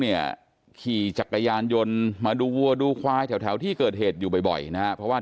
เนี่ยขี่จักรยานยนต์มาดูวัวดูควายแถวที่เกิดเหตุอยู่บ่อยนะฮะเพราะว่า